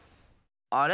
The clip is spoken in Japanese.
あれ？